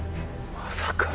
まさか。